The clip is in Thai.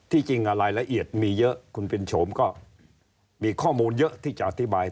จริงรายละเอียดมีเยอะคุณปินโฉมก็มีข้อมูลเยอะที่จะอธิบาย